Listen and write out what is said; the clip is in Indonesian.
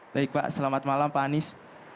baik pak selamat malam pak anies